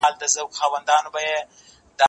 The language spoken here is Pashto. زه پرون نان خورم!.